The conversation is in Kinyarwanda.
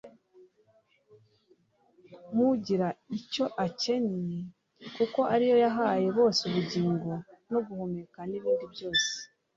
nk'ugira icyo akennye, kuko ari yo yahaye bose ubugingo no guhumeka n'ibindi byose